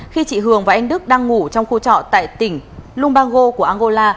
khi chị hường và anh đức đang ngủ trong khu trọ tại tỉnh lumbago của angola